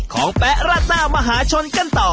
แป๊ะราดหน้ามหาชนกันต่อ